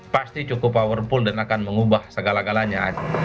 pasti cukup powerful dan akan mengubah segala galanya